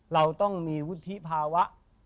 เราต้องมีวุฒิภาวะ